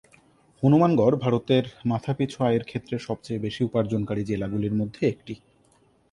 হনুমানগড় ভারতের মাথাপিছু আয়ের ক্ষেত্রে সবচেয়ে বেশি উপার্জনকারী জেলাগুলির মধ্যে একটি।